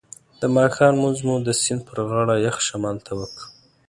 د ماښام لمونځ مو د سیند پر غاړه یخ شمال ته وکړ.